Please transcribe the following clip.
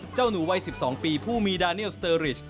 เจ้าหนูวัย๑๒ปีผู้มีดาเนียลสเตอร์ริช